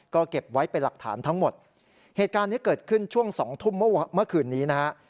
ก็เก็บไว้เป็นหลักฐานทั้งหมดเหตุการณ์นี้เกิดขึ้นช่วงสองทุ่มเมื่อคืนนี้นะฮะ